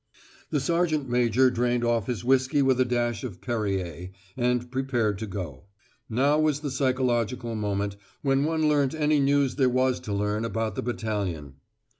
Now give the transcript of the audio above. The sergeant major drained off his whiskey with a dash of Perrier, and prepared to go. Now was the psychological moment when one learnt any news there was to learn about the battalion.